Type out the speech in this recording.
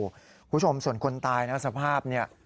คุณผู้ชมส่วนคนตายนะสภาพเนี่ย